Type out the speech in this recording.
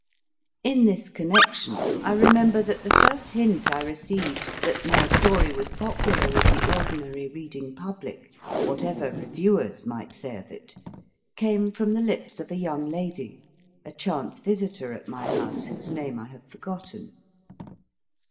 In this connection I remember that the first hint I received that my story was popular with the A STUDY CORNER ordinary reading public, whatever reviewers might say of it, came from the lips of a young lady, a chance visitor at my house, whose name I have forgotten.